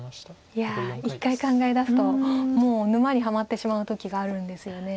いや一回考えだすともう沼にはまってしまう時があるんですよね。